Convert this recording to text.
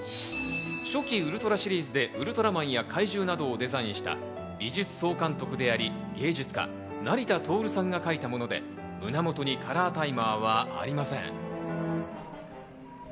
初期ウルトラシリーズでウルトラマンや怪獣などをデザインした美術総監督であり、芸術家の成田亨さんが描いたもので、胸元にカラータイマーはありません。